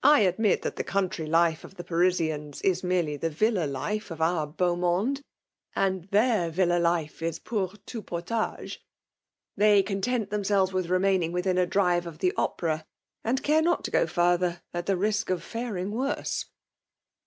admit that the country life of the PariBiana is merely the villa life of our beau nwnde ; and their villa life is pomr taiU potage. They coo tent dmnselves with remaining withm a drive of the Opera ; and care not to go fiurther, at the risk of faring worse."